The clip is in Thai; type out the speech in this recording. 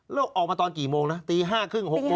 แล้วออกมาตอนกี่โมงนะตี๕๓๐๖โมง